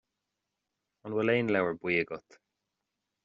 An bhfuil aon leabhar buí agat